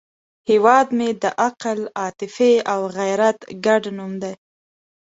هیواد مې د عقل، عاطفې او غیرت ګډ نوم دی